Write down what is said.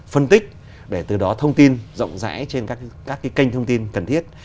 phân tích để từ đó thông tin rộng rãi trên các kênh thông tin cần thiết